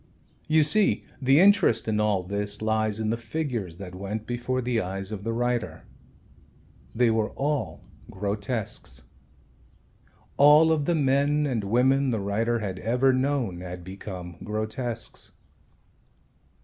You see the interest in all this lies in the figures that went before the eyes of the writer. They were all grotesques. All of the men and women the writer had ever known had become grotesques.